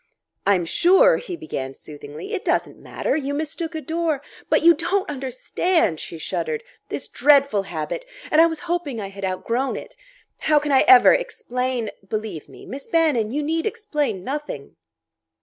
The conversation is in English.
"I'm sure," he began soothingly; "it doesn't matter. You mistook a door " "But you don't understand!" She shuddered.... "This dreadful habit! And I was hoping I had outgrown it! How can I ever explain ?" "Believe me, Miss Bannon, you need explain nothing."